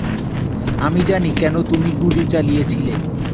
আমি জানি কেন তুমি গুলি চালিয়েছিলে।